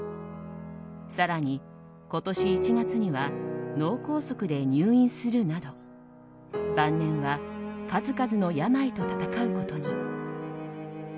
更に今年１月には脳梗塞で入院するなど晩年は数々の病と闘うことに。